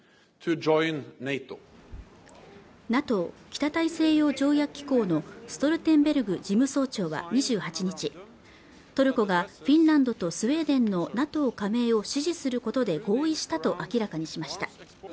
ＮＡＴＯ＝北大西洋条約機構のストルテンベルグ事務総長は２８日トルコがフィンランドとスウェーデンのＮＡＴＯ加盟を支持することで合意したと明らかにしました